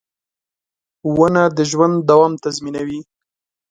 • ونه د ژوند دوام تضمینوي.